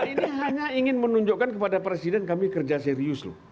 ini hanya ingin menunjukkan kepada presiden kami kerja serius loh